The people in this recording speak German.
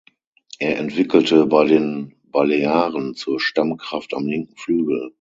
Er entwickelte bei den Balearen zur Stammkraft am linken Flügel.